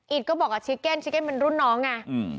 ก็บอกกับชิเก้นชิเก้นเป็นรุ่นน้องไง